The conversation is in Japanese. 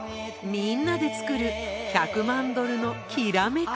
みんなで作る１００万ドルのきらめく